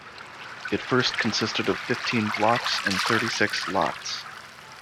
It first consisted of fifteen blocks and thirty six lots.